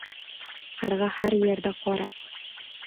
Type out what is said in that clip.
• Qarg‘a har yerda qora.